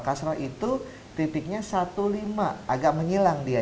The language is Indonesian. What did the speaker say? kasra itu titiknya satu lima agak menyilang dia